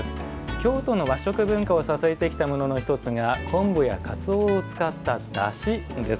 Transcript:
京都の和食の文化を支えてきたものの１つが昆布やかつおを使っただしです。